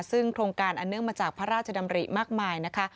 ซึ่งโครงการอันเนื่องมาจากพระราชดำริมากมายนะคะ